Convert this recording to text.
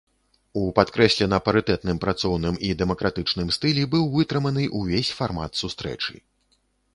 У падкрэслена парытэтным, працоўным і дэмакратычным стылі быў вытрыманы ўвесь фармат сустрэчы.